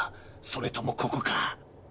それともここか。